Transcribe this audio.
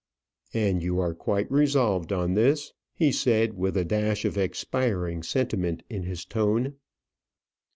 "And you are quite resolved on this?" he said, with a dash of expiring sentiment in his tone.